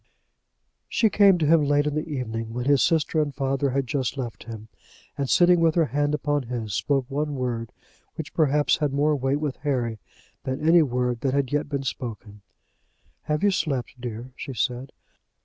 She came to him late in the evening when his sister and father had just left him, and sitting with her hand upon his, spoke one word, which perhaps had more weight with Harry than any word that had yet been spoken. "Have you slept, dear?" she said.